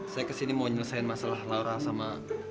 saya ke sini mau nyelesain masalah laura sama